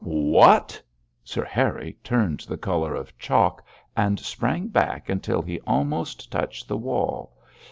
'What!!!' Sir Harry turned the colour of chalk, and sprang back until he almost touched the wall.